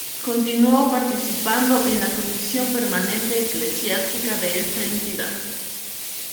Continuó participando en la Comisión permanente eclesiástica de esta entidad.